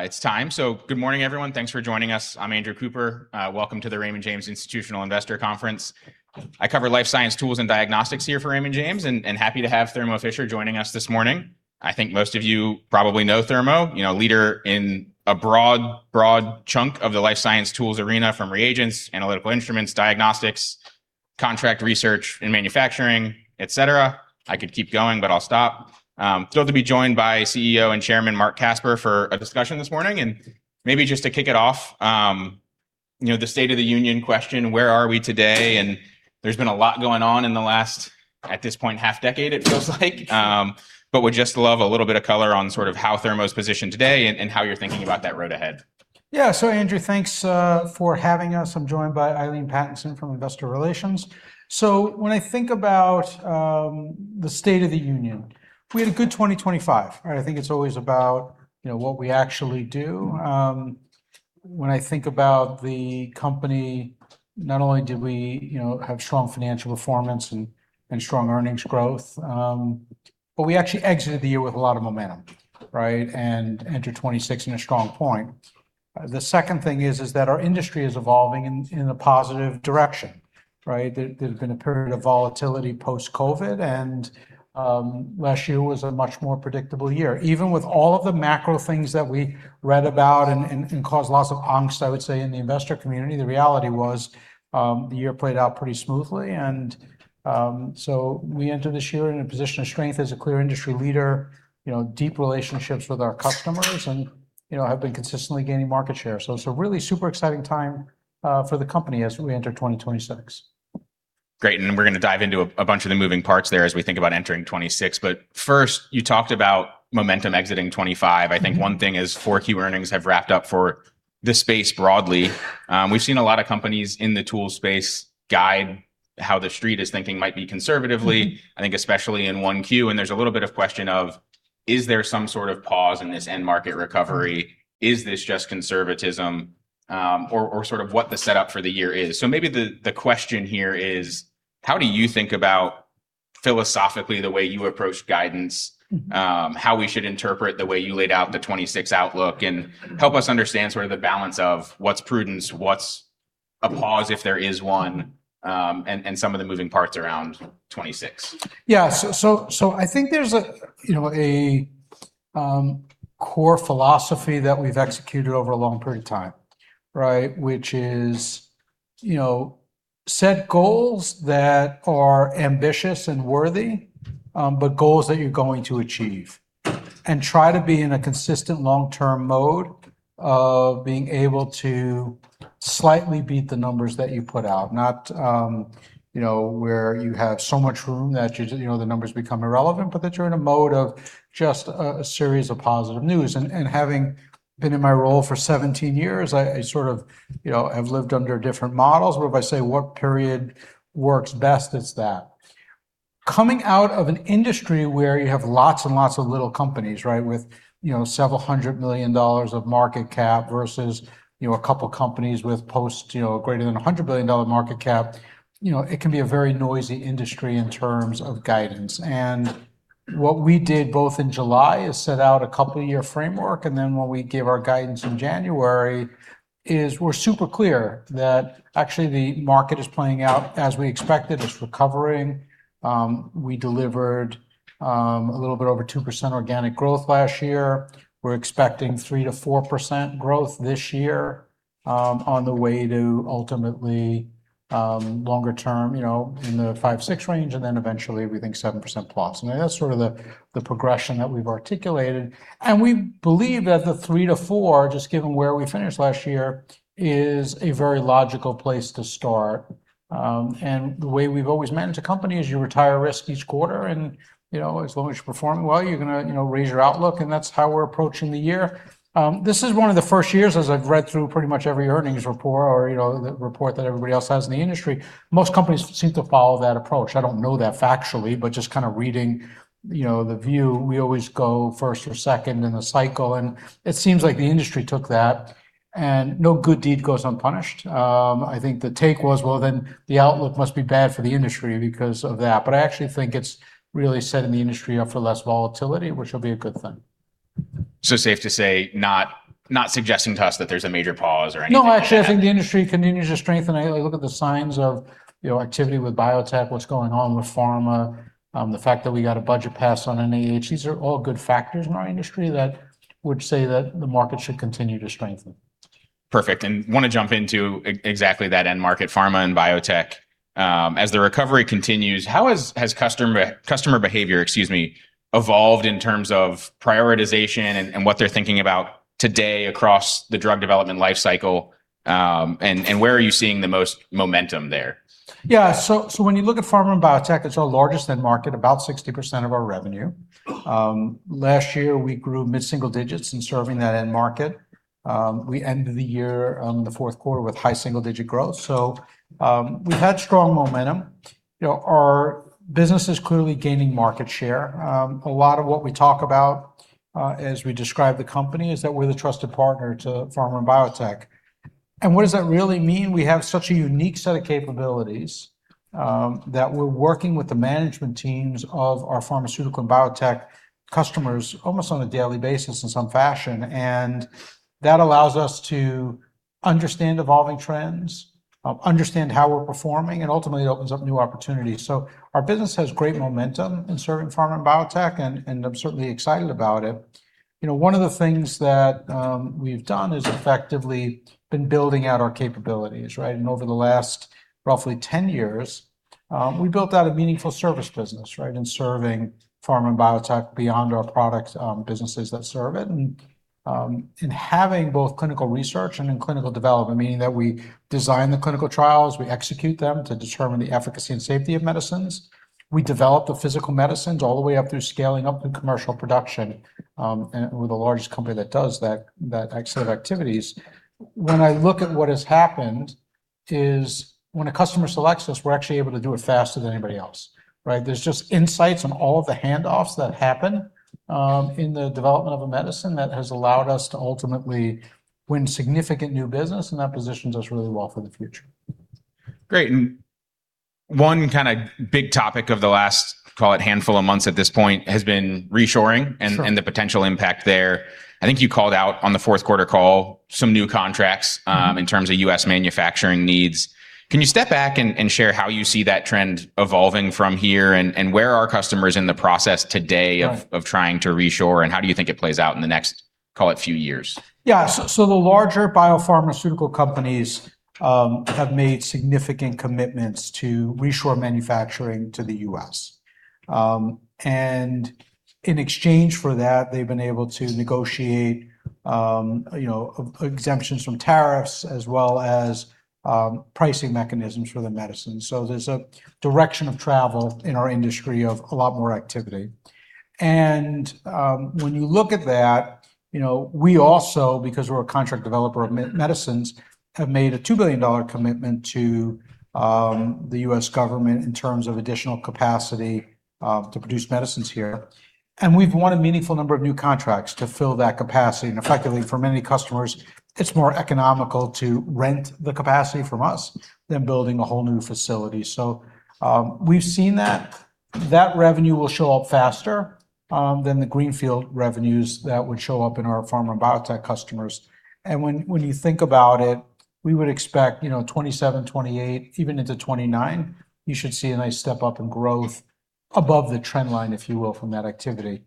It's time. Good morning, everyone. Thanks for joining us. I'm Andrew Cooper. Welcome to the Raymond James Institutional Investor Conference. I cover life science tools and diagnostics here for Raymond James, and happy to have Thermo Fisher joining us this morning. I think most of you probably know Thermo, you know, a leader in a broad chunk of the life science tools arena, from reagents, analytical instruments, diagnostics, contract research and manufacturing, et cetera. I could keep going, but I'll stop. Thrilled to be joined by CEO and Chairman Marc Casper for a discussion this morning. Maybe just to kick it off, you know, the state of the union question, where are we today? There's been a lot going on in the last, at this point, half decade it feels like. Would just love a little bit of color on sort of how Thermo's positioned today and how you're thinking about that road ahead. Andrew, thanks for having us. I'm joined by Eileen Pattinson from Investor Relations. When I think about the state of the union, we had a good 2025, right? I think it's always about, you know, what we actually do. When I think about the company, not only did we, you know, have strong financial performance and strong earnings growth, but we actually exited the year with a lot of momentum, right, and entered 2026 in a strong point. The second thing is that our industry is evolving in a positive direction, right? There's been a period of volatility post-COVID, and last year was a much more predictable year. Even with all of the macro things that we read about and caused lots of angst, I would say, in the investor community, the reality was, the year played out pretty smoothly. We enter this year in a position of strength as a clear industry leader, you know, deep relationships with our customers and, you know, have been consistently gaining market share. It's a really super exciting time for the company as we enter 2026. Great. We're going to dive into a bunch of the moving parts there as we think about entering 2026. First, you talked about momentum exiting 2025. I think one thing is four Q earnings have wrapped up for this space broadly. We've seen a lot of companies in the tool space guide how the street is thinking might be conservatively, I think especially in one Q, and there's a little bit of question of, is there some sort of pause in this end market recovery? Is this just conservatism, or sort of what the setup for the year is? Maybe the question here is, how do you think about philosophically the way you approach guidance, how we should interpret the way you laid out the 2026 outlook? Help us understand sort of the balance of what's prudence, what's a pause, if there is one, and some of the moving parts around 2026. Yeah. I think there's a, you know, a core philosophy that we've executed over a long period of time, right? Which is, you know, set goals that are ambitious and worthy, but goals that you're going to achieve. Try to be in a consistent long-term mode of being able to slightly beat the numbers that you put out, not, you know, where you have so much room that you know, the numbers become irrelevant, but that you're in a mode of just a series of positive news. Having been in my role for 17 years, I sort of, you know, have lived under different models where if I say what period works best, it's that. Coming out of an industry where you have lots and lots of little companies, right, with, you know, several $100 million of market cap versus, you know, a couple companies with post, you know, greater than a $100 billion market cap, you know, it can be a very noisy industry in terms of guidance. What we did both in July is set out a couple-year framework, and then when we gave our guidance in January, is we're super clear that actually the market is playing out as we expected. It's recovering. We delivered a little bit over 2% organic growth last year. We're expecting 3%-4% growth this year, on the way to ultimately, longer term, you know, in the 5%-6% range, and then eventually we think 7%+. That's sort of the progression that we've articulated. We believe that the 3%-4%, just given where we finished last year, is a very logical place to start. The way we've always managed the company is you retire risk each quarter and, you know, as long as you're performing well, you're gonna, you know, raise your outlook, and that's how we're approaching the year. This is one of the first years as I've read through pretty much every earnings report or, you know, the report that everybody else has in the industry, most companies seem to follow that approach. I don't know that factually, but just kinda reading, you know, the view, we always go first or second in the cycle, and it seems like the industry took that, and no good deed goes unpunished. I think the take was, well, then the outlook must be bad for the industry because of that. I actually think it's really setting the industry up for less volatility, which will be a good thing. Safe to say, not suggesting to us that there's a major pause or anything like that. No, actually, I think the industry continues to strengthen. I look at the signs of, you know, activity with biotech, what's going on with pharma, the fact that we got a budget pass on NIH. These are all good factors in our industry that would say that the market should continue to strengthen. Perfect. Wanna jump into exactly that end market, pharma and biotech. As the recovery continues, how has customer behavior, excuse me, evolved in terms of prioritization and what they're thinking about today across the drug development life cycle, and where are you seeing the most momentum there? When you look at pharma and biotech, it's our largest end market, about 60% of our revenue. Last year we grew mid-single digits in serving that end market. We ended the year on the fourth quarter with high single-digit growth. We've had strong momentum. You know, our business is clearly gaining market share. A lot of what we talk about as we describe the company is that we're the trusted partner to pharma and biotech. And what does that really mean? We have such a unique set of capabilities that we're working with the management teams of our pharmaceutical and biotech customers almost on a daily basis in some fashion, and that allows us to understand evolving trends, understand how we're performing, and ultimately it opens up new opportunities. Our business has great momentum in serving pharma and biotech and I'm certainly excited about it. You know, one of the things that we've done is effectively been building out our capabilities, right? Over the last roughly 10 years, we built out a meaningful service business, right, in serving pharma and biotech beyond our products, businesses that serve it. In having both clinical research and in clinical development, meaning that we design the clinical trials, we execute them to determine the efficacy and safety of medicines, we develop the physical medicines all the way up through scaling up the commercial production, and we're the largest company that does that set of activities. I look at what has happened is when a customer selects us, we're actually able to do it faster than anybody else, right? There's just insights on all of the handoffs that happen, in the development of a medicine that has allowed us to ultimately win significant new business. That positions us really well for the future. Great. One kind of big topic of the last, call it handful of months at this point, has been reshoring. Sure... and the potential impact there. I think you called out on the fourth quarter call some new contracts, in terms of U.S. manufacturing needs. Can you step back and share how you see that trend evolving from here and where are customers in the process today of- Sure of trying to reshore, and how do you think it plays out in the next, call it, few years? The larger biopharmaceutical companies have made significant commitments to reshore manufacturing to the U.S. In exchange for that, they've been able to negotiate, you know, exemptions from tariffs as well as pricing mechanisms for the medicine. There's a direction of travel in our industry of a lot more activity. When you look at that, you know, we also, because we're a contract developer of medicines, have made a $2 billion commitment to the U.S. government in terms of additional capacity to produce medicines here. We've won a meaningful number of new contracts to fill that capacity. Effectively for many customers, it's more economical to rent the capacity from us than building a whole new facility. We've seen that. That revenue will show up faster than the greenfield revenues that would show up in our pharma and biotech customers. When you think about it, we would expect, you know, 2027, 2028, even into 2029, you should see a nice step-up in growth above the trend line, if you will, from that activity.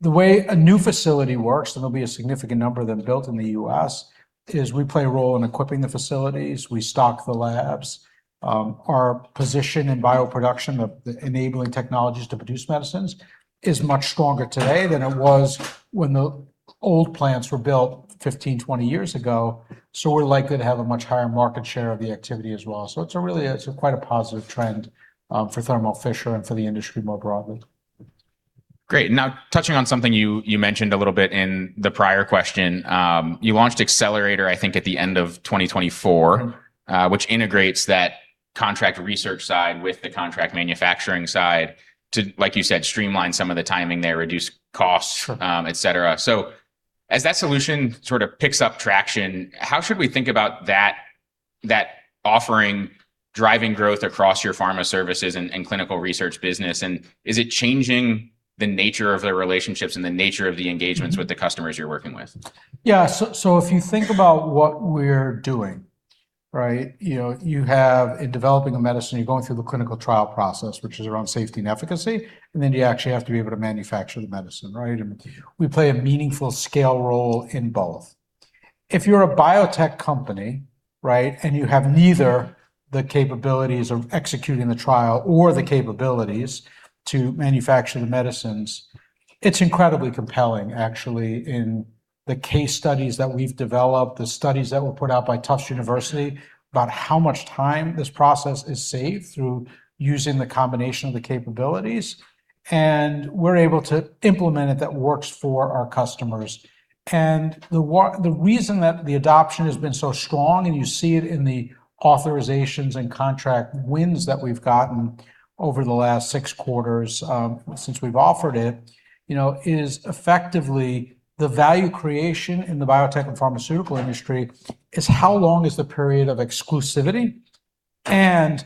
The way a new facility works, and there'll be a significant number of them built in the U.S., is we play a role in equipping the facilities, we stock the labs. Our position in bioproduction of the enabling technologies to produce medicines is much stronger today than it was when the old plants were built 15, 20 years ago. We're likely to have a much higher market share of the activity as well. It's a really, it's quite a positive trend for Thermo Fisher and for the industry more broadly. Great. Now, touching on something you mentioned a little bit in the prior question. You launched Accelerator, I think, at the end of 2024 Mm-hmm which integrates that contract research side with the contract manufacturing side to, like you said, streamline some of the timing there, reduce costs. Sure... et cetera. As that solution sort of picks up traction, how should we think about that offering driving growth across your pharma services and clinical research business? Is it changing the nature of the relationships and the nature of the engagements with the customers you're working with? If you think about what we're doing, right? You know, you have in developing a medicine, you're going through the clinical trial process, which is around safety and efficacy, and then you actually have to be able to manufacture the medicine, right? We play a meaningful scale role in both. If you're a biotech company, right, and you have neither the capabilities of executing the trial or the capabilities to manufacture the medicines, it's incredibly compelling actually in the case studies that we've developed, the studies that were put out by Tufts University about how much time this process is saved through using the combination of the capabilities, and we're able to implement it that works for our customers. The reason that the adoption has been so strong, and you see it in the authorizations and contract wins that we've gotten over the last six quarters, since we've offered it, you know, is effectively the value creation in the biotech and pharmaceutical industry is how long is the period of exclusivity and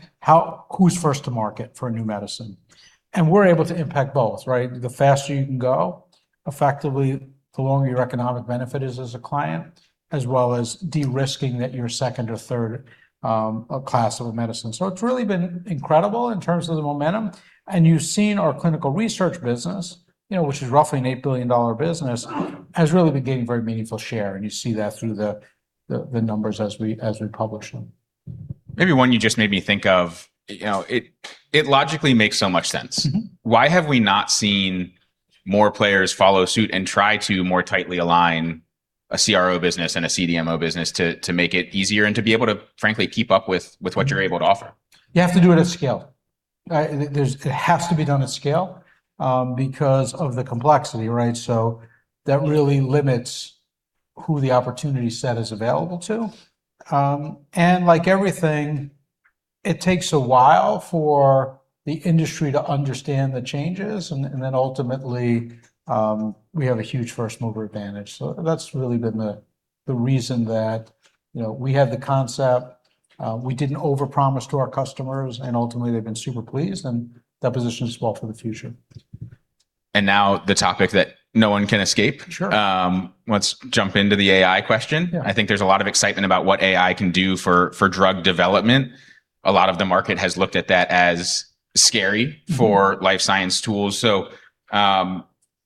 who's first to market for a new medicine? We're able to impact both, right? The faster you can go, effectively, the longer your economic benefit is as a client, as well as de-risking that you're second or third class of a medicine. It's really been incredible in terms of the momentum. You've seen our Clinical Research business, you know, which is roughly a $8 billion business, has really been gaining very meaningful share, and you see that through the numbers as we publish them. Maybe one you just made me think of, you know, it logically makes so much sense. Mm-hmm. Why have we not seen more players follow suit and try to more tightly align a CRO business and a CDMO business to make it easier and to be able to, frankly, keep up with what you're able to offer? You have to do it at scale, right? It has to be done at scale because of the complexity, right? That really limits who the opportunity set is available to. Like everything-It takes a while for the industry to understand the changes and then ultimately, we have a huge first mover advantage. That's really been the reason that, you know, we have the concept, we didn't overpromise to our customers, ultimately they've been super pleased, that position is well for the future. Now the topic that no one can escape. Sure. Let's jump into the AI question. Yeah. I think there's a lot of excitement about what AI can do for drug development. A lot of the market has looked at that as scary. Mm-hmm. For life science tools, so,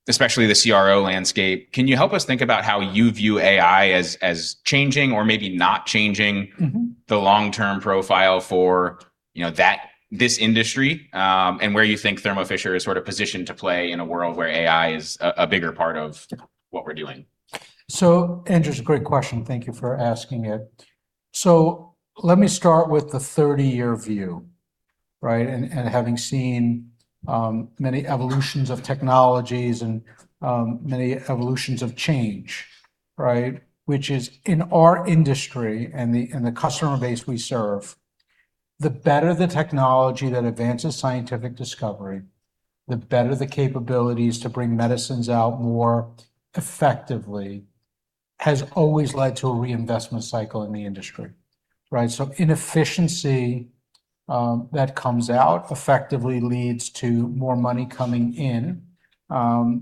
especially the CRO landscape. Can you help us think about how you view AI as changing or maybe not changing... Mm-hmm. The long-term profile for, you know, that, this industry, and where you think Thermo Fisher is sort of positioned to play in a world where AI is a bigger part of what we're doing? Andrew, it's a great question. Thank you for asking it. Let me start with the 30-year view, right? Having seen many evolutions of technologies and many evolutions of change, right? Which is in our industry and the customer base we serve, the better the technology that advances scientific discovery, the better the capabilities to bring medicines out more effectively, has always led to a reinvestment cycle in the industry, right? Inefficiency that comes out effectively leads to more money coming in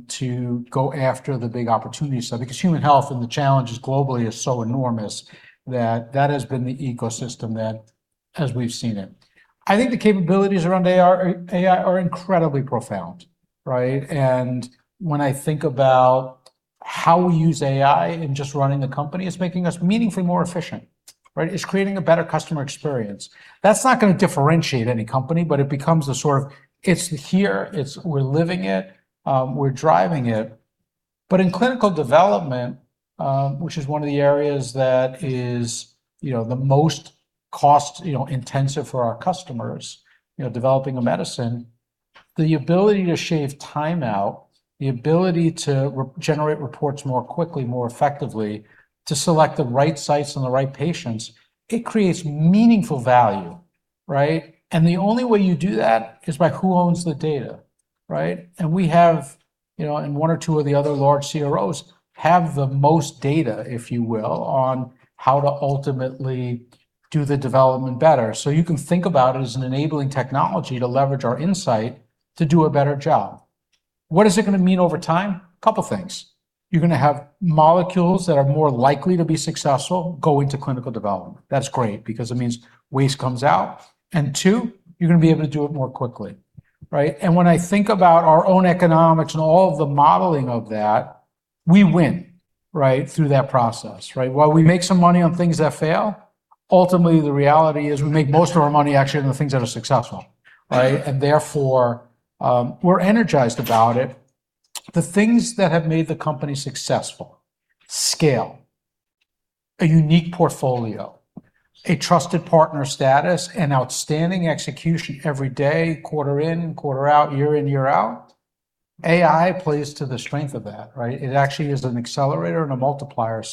to go after the big opportunities. Because human health and the challenges globally is so enormous that that has been the ecosystem that as we've seen it. I think the capabilities around AR, AI are incredibly profound, right? When I think about how we use AI in just running the company, it's making us meaningfully more efficient, right? It's creating a better customer experience. That's not gonna differentiate any company, but it becomes a sort of, it's here, it's we're living it, we're driving it. In clinical development, which is one of the areas that is, you know, the most cost, you know, intensive for our customers, you know, developing a medicine, the ability to shave time out, the ability to regenerate reports more quickly, more effectively, to select the right sites and the right patients, it creates meaningful value, right? The only way you do that is by who owns the data, right? We have, you know, and one or two of the other large CROs have the most data, if you will, on how to ultimately do the development better. You can think about it as an enabling technology to leverage our insight to do a better job. What is it gonna mean over time? Couple things. You're gonna have molecules that are more likely to be successful going to clinical development. That's great because it means waste comes out. Two, you're gonna be able to do it more quickly, right? When I think about our own economics and all of the modeling of that, we win, right, through that process, right? While we make some money on things that fail, ultimately the reality is we make most of our money actually on the things that are successful, right? Therefore, we're energized about it. The things that have made the company successful, scale, a unique portfolio, a trusted partner status and outstanding execution every day, quarter in, quarter out, year in, year out, AI plays to the strength of that, right? It actually is an accelerator and a multiplier.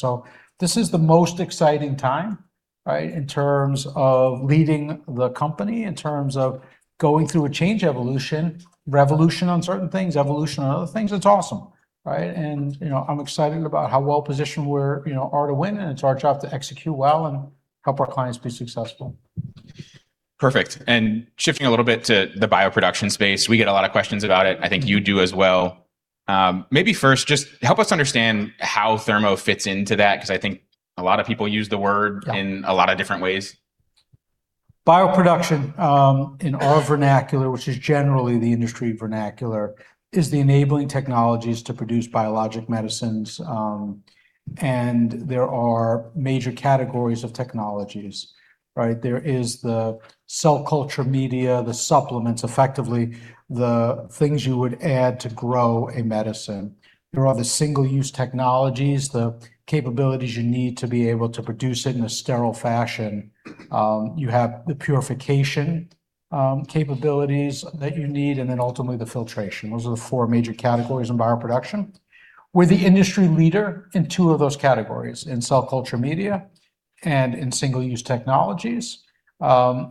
This is the most exciting time, right, in terms of leading the company, in terms of going through a change evolution, revolution on certain things, evolution on other things. It's awesome, right? You know, I'm excited about how well-positioned we, you know, are to win, and it's our job to execute well and help our clients be successful. Perfect. Shifting a little bit to the bioproduction space, we get a lot of questions about it. I think you do as well. Maybe first just help us understand how Thermo fits into that, because I think a lot of people use the word- Yeah. In a lot of different ways. Bioproduction, in our vernacular, which is generally the industry vernacular, is the enabling technologies to produce biologic medicines. There are major categories of technologies, right? There is the cell culture media, the supplements, effectively the things you would add to grow a medicine. There are the single-use technologies, the capabilities you need to be able to produce it in a sterile fashion. You have the purification, capabilities that you need, and then ultimately the filtration. Those are the four major categories in bioproduction. We're the industry leader in two of those categories, in cell culture media and in single-use technologies.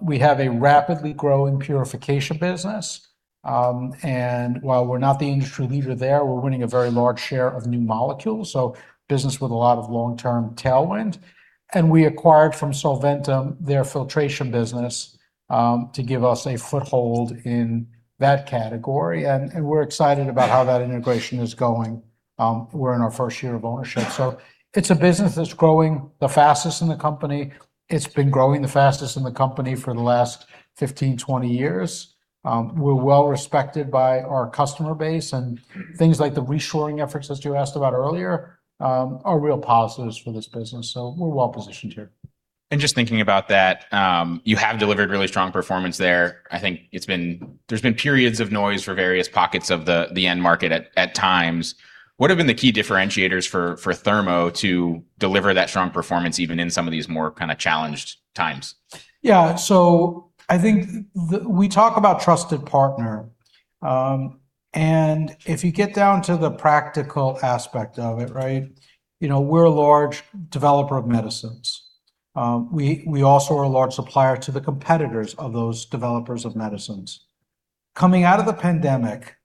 We have a rapidly growing purification business. While we're not the industry leader there, we're winning a very large share of new molecules, so business with a lot of long-term tailwind. We acquired from Solventum their filtration business, to give us a foothold in that category and we're excited about how that integration is going. We're in our first year of ownership. It's a business that's growing the fastest in the company. It's been growing the fastest in the company for the last 15, 20 years. We're well respected by our customer base, and things like the reshoring efforts, as you asked about earlier, are real positives for this business. We're well positioned here. Just thinking about that, you have delivered really strong performance there. I think there's been periods of noise for various pockets of the end market at times. What have been the key differentiators for Thermo to deliver that strong performance even in some of these more kind of challenged times? Yeah. I think we talk about trusted partner. If you get down to the practical aspect of it, right, you know, we're a large developer of medicines. We also are a large supplier to the competitors of those developers of medicines. Coming out of the pandemic,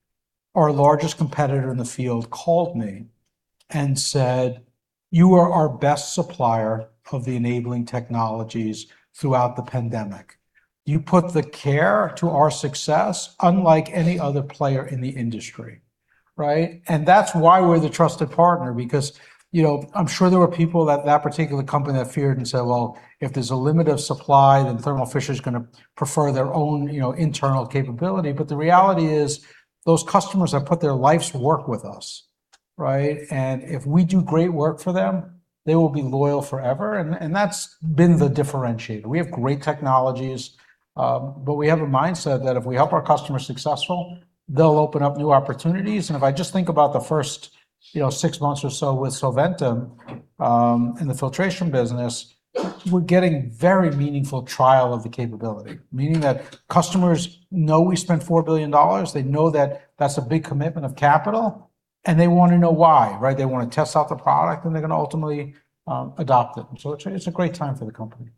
our largest competitor in the field called me and said, "You are our best supplier of the enabling technologies throughout the pandemic. You put the care to our success unlike any other player in the industry." Right? That's why we're the trusted partner, because, you know, I'm sure there were people at that particular company that feared and said, "Well, if there's a limit of supply, then Thermo Fisher's gonna prefer their own, you know, internal capability." The reality is those customers have put their life's work with us, right? If we do great work for them, they will be loyal forever, and that's been the differentiator. We have great technologies, but we have a mindset that if we help our customers successful, they'll open up new opportunities. If I just think about the first, you know, six months or so with Solventum, in the filtration business, we're getting very meaningful trial of the capability, meaning that customers know we spent $4 billion. They know that that's a big commitment of capital, and they wanna know why, right? They wanna test out the product, and they're gonna ultimately adopt it. It's a great time for the company.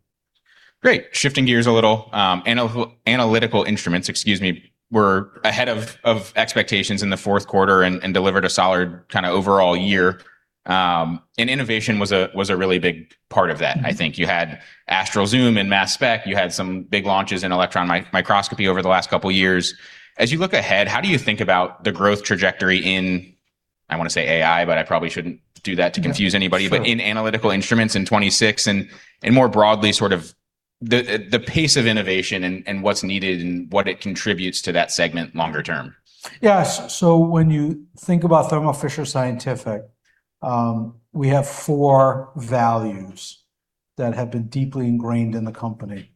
Great. Shifting gears a little, analytical instruments, excuse me, were ahead of expectations in the fourth quarter and delivered a solid kinda overall year. Innovation was a really big part of that, I think. You had Astral Zoom and Mass Spec. You had some big launches in electron microscopy over the last couple years. As you look ahead, how do you think about the growth trajectory in, I wanna say AI, but I probably shouldn't do that to confuse anybody? Sure... but in analytical instruments in 2026 and more broadly, sort of the pace of innovation and what's needed and what it contributes to that segment longer term? Yeah. When you think about Thermo Fisher Scientific, we have four values that have been deeply ingrained in the company.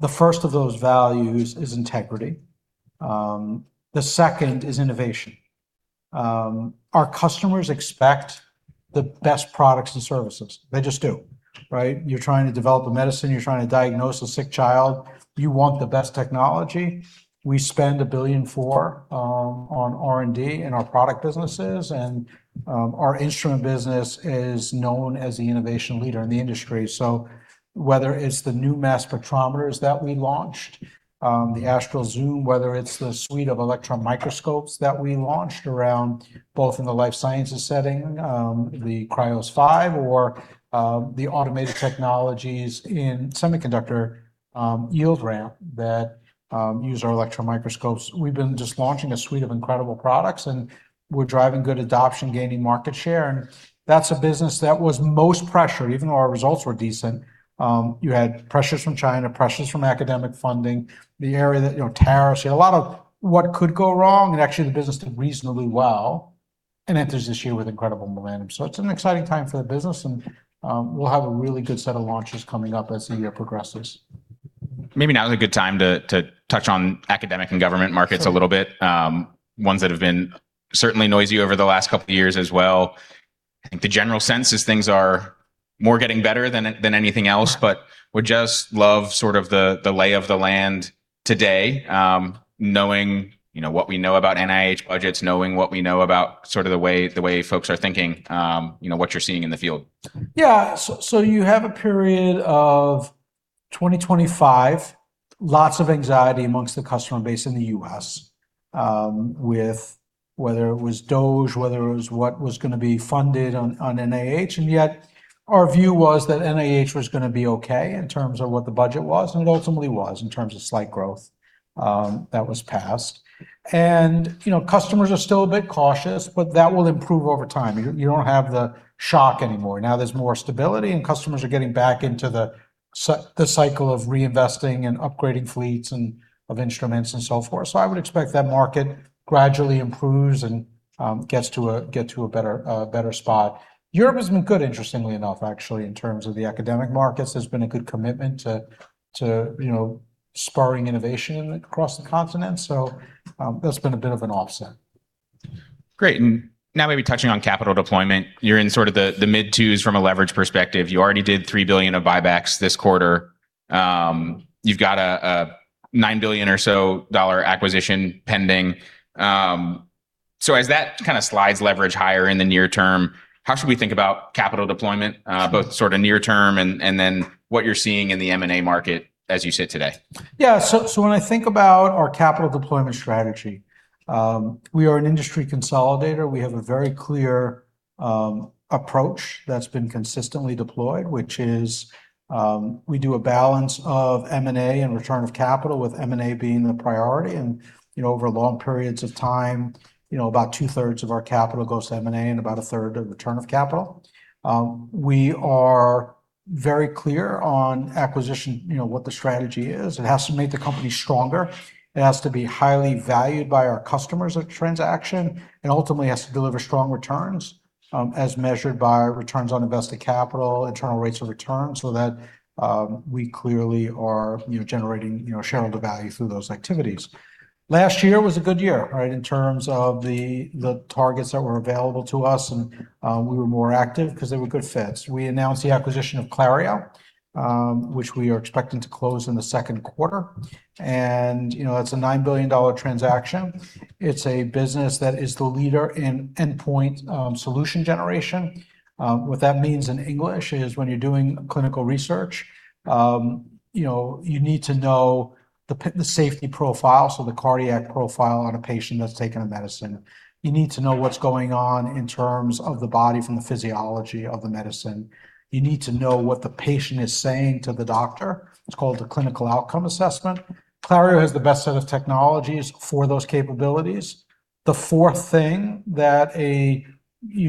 The first of those values is integrity. The second is innovation. Our customers expect the best products and services. They just do, right? You're trying to develop a medicine, you're trying to diagnose a sick child, you want the best technology. We spend $1.4 billion on R&D in our product businesses, and our instrument business is known as the innovation leader in the industry. Whether it's the new mass spectrometers that we launched, the Astral Zoom, whether it's the suite of electron microscopes that we launched around both in the life sciences setting, the Krios 5 or the automated technologies in semiconductor yield ramp that use our electron microscopes. We've been just launching a suite of incredible products, and we're driving good adoption, gaining market share, and that's a business that was most pressured, even though our results were decent. You had pressures from China, pressures from academic funding, the area that, you know, tariffs. You had a lot of what could go wrong, and actually the business did reasonably well and enters this year with incredible momentum. It's an exciting time for the business, and we'll have a really good set of launches coming up as the year progresses. Maybe now is a good time to touch on academic and government markets a little bit. Ones that have been certainly noisy over the last couple years as well. I think the general sense is things are more getting better than anything else, but would just love sort of the lay of the land today, knowing, you know, what we know about NIH budgets, knowing what we know about sort of the way folks are thinking, you know, what you're seeing in the field. Yeah. You have a period of 2025, lots of anxiety amongst the customer base in the U.S., with whether it was DOJ, whether it was what was gonna be funded on NIH, yet our view was that NIH was gonna be okay in terms of what the budget was, it ultimately was in terms of slight growth that was passed. You know, customers are still a bit cautious, but that will improve over time. You don't have the shock anymore. Now there's more stability, customers are getting back into the cycle of reinvesting and upgrading fleets and of instruments and so forth. I would expect that market gradually improves and gets to a better spot. Europe has been good, interestingly enough, actually, in terms of the academic markets. There's been a good commitment to, you know, spurring innovation across the continent. That's been a bit of an offset. Great. Now maybe touching on capital deployment, you're in sort of the mid-twos from a leverage perspective. You already did $3 billion of buybacks this quarter. You've got a $9 billion or so acquisition pending. As that kind of slides leverage higher in the near term, how should we think about capital deployment, both sort of near term and then what you're seeing in the M&A market as you sit today? Yeah. When I think about our capital deployment strategy, we are an industry consolidator. We have a very clear approach that's been consistently deployed, which is, we do a balance of M&A and return of capital with M&A being the priority. You know, over long periods of time, you know, about 2/3 of our capital goes to M&A and about 1/3 to return of capital. We are very clear on acquisition, you know, what the strategy is. It has to make the company stronger. It has to be highly valued by our customers of transaction and ultimately has to deliver strong returns, as measured by return on invested capital, internal rate of return, so that, we clearly are, you know, generating, you know, shareholder value through those activities. Last year was a good year, right, in terms of the targets that were available to us, and we were more active because they were good fits. We announced the acquisition of Clario, which we are expecting to close in the second quarter. You know, that's a $9 billion transaction. It's a business that is the leader in endpoint solution generation. What that means in English is when you're doing clinical research, you know, you need to know the safety profile, so the cardiac profile on a patient that's taking a medicine you need to know what's going on in terms of the body from the physiology of the medicine. You need to know what the patient is saying to the doctor. It's called the clinical outcome assessment. Clario has the best set of technologies for those capabilities. The fourth thing that you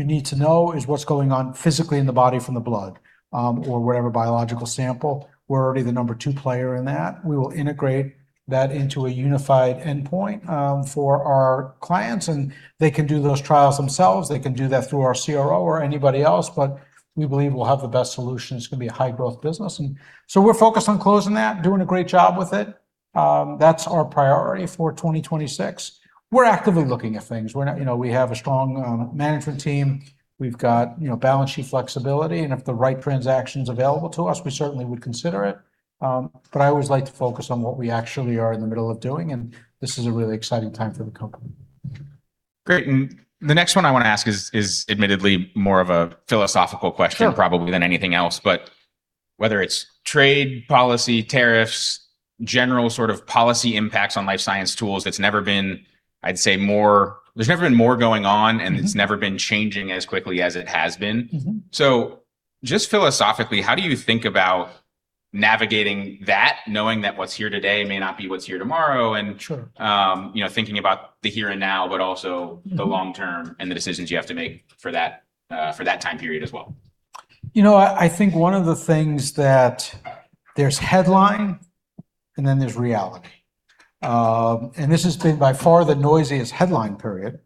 need to know is what's going on physically in the body from the blood, or whatever biological sample. We're already the number two player in that. We will integrate that into a unified endpoint for our clients, and they can do those trials themselves. They can do that through our CRO or anybody else, but we believe we'll have the best solution. It's going to be a high-growth business. We're focused on closing that, doing a great job with it. That's our priority for 2026. We're actively looking at things. You know, we have a strong management team. We've got, you know, balance sheet flexibility, and if the right transaction's available to us, we certainly would consider it. I always like to focus on what we actually are in the middle of doing, and this is a really exciting time for the company. Great. The next one I wanna ask is admittedly more of a philosophical question- Sure... probably than anything else. Whether it's trade, policy, tariffs, general sort of policy impacts on life science tools, it's never been, I'd say, more... There's never been more going on... Mm-hmm It's never been changing as quickly as it has been. Mm-hmm. just philosophically, how do you think about navigating that, knowing that what's here today may not be what's here tomorrow and-... Sure... you know, thinking about the here and now, but also. Mm-hmm... the long term and the decisions you have to make for that, for that time period as well? You know, I think one of the things that there's headline and then there's reality. This has been by far the noisiest headline period.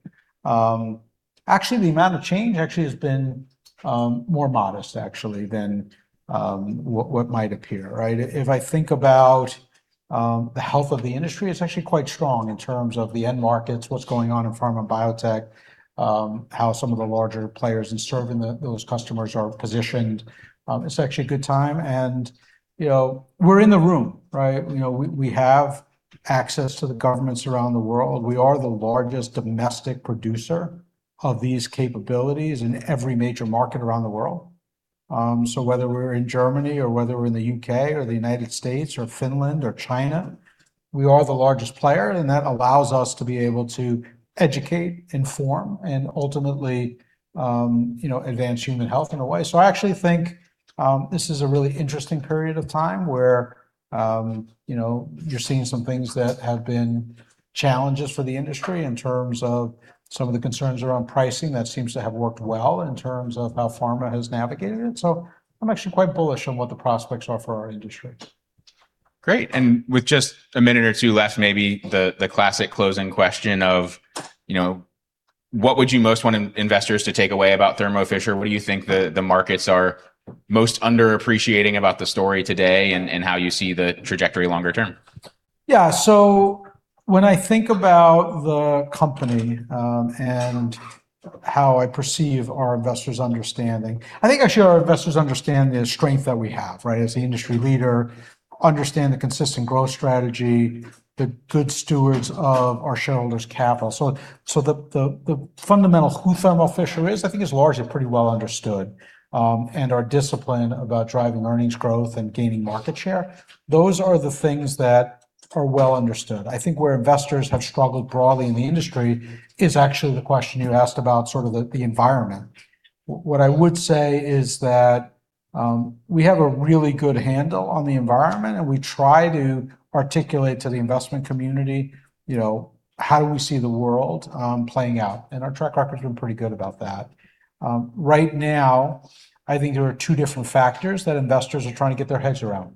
Actually the amount of change actually has been more modest actually than what might appear, right? If I think about the health of the industry, it's actually quite strong in terms of the end markets, what's going on in pharma biotech, how some of the larger players in serving those customers are positioned. It's actually a good time and, you know, we're in the room, right? You know, we have access to the governments around the world. We are the largest domestic producer of these capabilities in every major market around the world. Whether we're in Germany or whether we're in the U.K. or the United States or Finland or China, we are the largest player, and that allows us to be able to educate, inform, and ultimately, you know, advance human health in a way. I actually think this is a really interesting period of time where, you know, you're seeing some things that have been challenges for the industry in terms of some of the concerns around pricing. That seems to have worked well in terms of how pharma has navigated it. I'm actually quite bullish on what the prospects are for our industry. Great. With just a minute or two left, maybe the classic closing question of, you know, what would you most want investors to take away about Thermo Fisher? What do you think the markets are most underappreciating about the story today and how you see the trajectory longer term? Yeah. When I think about the company, and how I perceive our investors' understanding, I think actually our investors understand the strength that we have, right? As the industry leader, understand the consistent growth strategy, the good stewards of our shareholders' capital. The fundamental who Thermo Fisher is, I think is largely pretty well understood, and our discipline about driving earnings growth and gaining market share, those are the things that are well understood. I think where investors have struggled broadly in the industry is actually the question you asked about sort of the environment. What I would say is that, we have a really good handle on the environment, and we try to articulate to the investment community, you know, how do we see the world, playing out? Our track record's been pretty good about that. Right now, I think there are two different factors that investors are trying to get their heads around.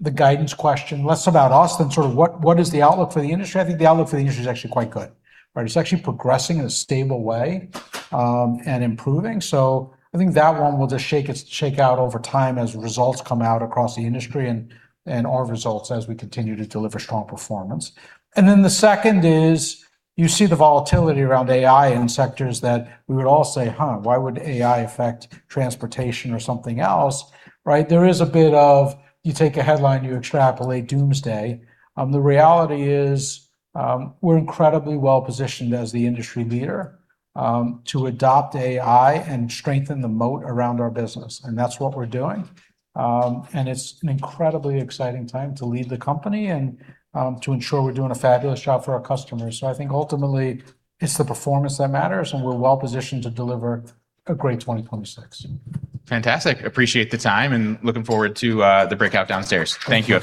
The guidance question, less about us than sort of what is the outlook for the industry. I think the outlook for the industry is actually quite good, right? It's actually progressing in a stable way and improving. I think that one will just shake out over time as results come out across the industry and our results as we continue to deliver strong performance. Then the second is you see the volatility around AI in sectors that we would all say, "Huh, why would AI affect transportation or something else?" Right? There is a bit of you take a headline, you extrapolate doomsday. The reality is, we're incredibly well positioned as the industry leader, to adopt AI and strengthen the moat around our business, and that's what we're doing. It's an incredibly exciting time to lead the company and, to ensure we're doing a fabulous job for our customers. I think ultimately it's the performance that matters, and we're well positioned to deliver a great 2026. Fantastic. Appreciate the time, and looking forward to the breakout downstairs. Thank you.